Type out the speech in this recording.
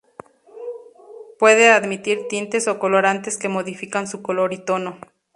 Puede admitir tintes o colorantes que modifican su color y tono.